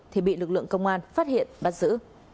thì bị lực lượng công an phát hiện bắt giữ